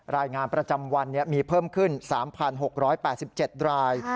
รายงานประจำวันมีเพิ่มขึ้น๓๖๘๗ราย